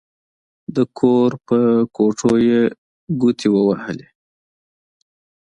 د کور په کوټو يې ګوتې ووهلې.